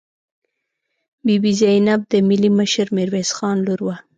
بي بي زینب د ملي مشر میرویس خان لور وه.